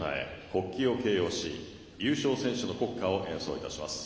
国旗を掲揚し優勝選手の国歌を演奏いたします。